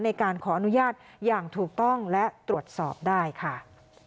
ในการขออนุญาตอย่างถูกต้องและตรวจสอบได้ค่ะ